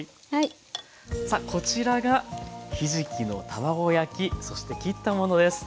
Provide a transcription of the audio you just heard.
さあこちらがひじきの卵焼きそして切ったものです。